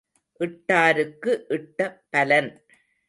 இட்டாருக்கு இட்ட பலன்.